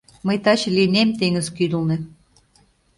Мый таче лийнем теҥыз кӱдылнӧ.